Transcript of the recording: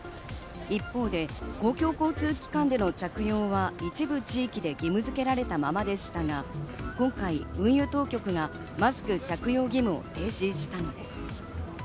一方で公共交通機関での着用は一部地域で義務づけられたままでしたが、今回、運輸当局がマスク着用義務を停止したのです。